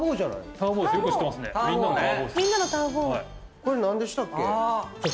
これ何でしたっけ？